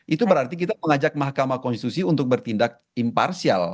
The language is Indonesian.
itu berarti kita mengajak mahkamah konstitusi untuk bertindak imparsial